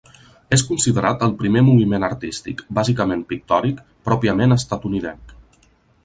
És considerat el primer moviment artístic, bàsicament pictòric, pròpiament estatunidenc.